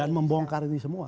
dan membongkar ini semua